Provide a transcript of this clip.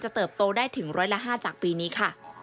จะเติบโตได้ถึง๑๐๕จากปีนี้ค่ะ